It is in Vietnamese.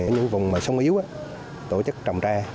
những vùng sông yếu tổ chức trồng tre